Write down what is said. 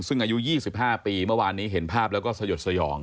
ซึ่งอายุ๒๕ปีเมื่อวานนี้เห็นภาพแล้วก็สยดสยอง